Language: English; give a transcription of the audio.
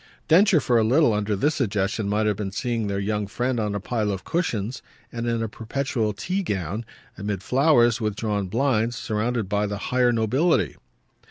Densher for a little, under this suggestion, might have been seeing their young friend on a pile of cushions and in a perpetual tea gown, amid flowers and with drawn blinds, surrounded by the higher nobility.